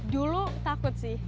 dulu takut sih